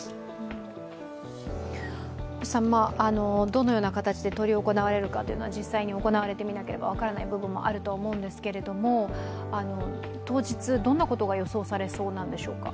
どのような形で執り行われるかというのは実際に行われてみないと分からない部分もあるんですが当日、どんなことが予想されそうなんでしょうか？